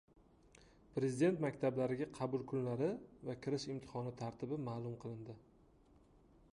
Prezident maktablariga qabul kunlari va kirish imtihoni tartibi ma’lum qilindi